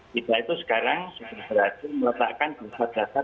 kita itu sekarang sudah berhasil meletakkan perusahaan data